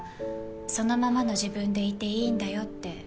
そのままの自分でいていいんだよって